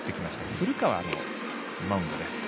古川のマウンド。